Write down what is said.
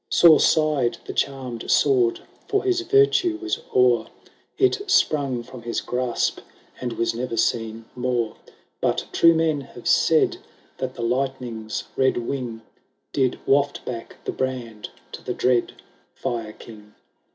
Sore sighed the charmed sword, for his virtue was o'er; It sprung from his grasp, and was never seen more; But true men have said, that the lightning's red wing Lid waft back the brand to the dread Fire King.